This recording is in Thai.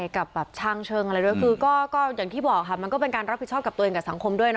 กับแบบช่างเชิงอะไรด้วยคือก็อย่างที่บอกค่ะมันก็เป็นการรับผิดชอบกับตัวเองกับสังคมด้วยนะ